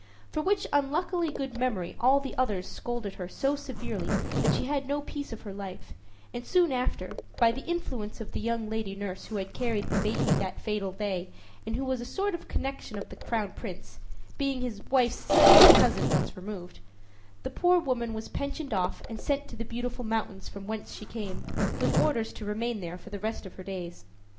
For which unluckily good memory all the others scolded her so severely that she had no peace of her life, and soon after, by the influence of the young lady nurse who had carried the baby that fatal day, and who was a sort of connection of the Crown Prince being his wife's second cousin once removed the poor woman was pensioned off and sent to the Beautiful Mountains from whence she came, with orders to remain there for the rest of her days.